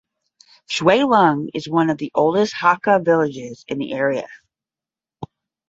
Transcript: Chuen Lung is one of the oldest Hakka villages in the area.